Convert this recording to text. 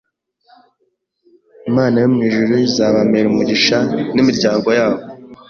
Imana yo mu ijuru izabampere umugisha n’imiryango yabo.